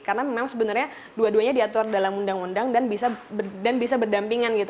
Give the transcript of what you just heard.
karena memang sebenarnya dua duanya diatur dalam undang undang dan bisa berdampingan gitu